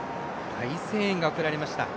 大声援が送られました。